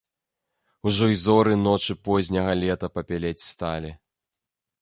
Ужо і зоры ночы позняга лета папялець сталі.